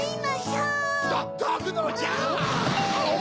うわ！